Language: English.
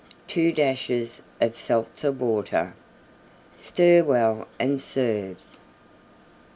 2 dashes of Seltzer Water. Stir well and serve.